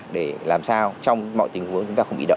để làm sao trong mọi tình huống chúng ta không bị động